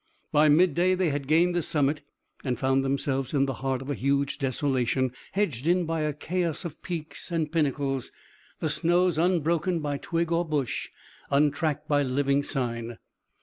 By mid day they had gained the summit, and found themselves in the heart of a huge desolation, hedged in by a chaos of peaks and pinnacles, the snows unbroken by twig or bush, untracked by living sign.